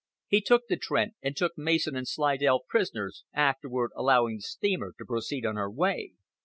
He stopped the Trent and took Mason and Slidell prisoners, afterward allowing the steamer to proceed on her way.